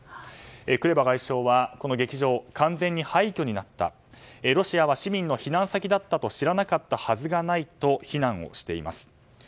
クレバ外相はこの劇場、完全に廃虚になったロシアは市民の避難先だったと知らなかったはずがないと非難をしています。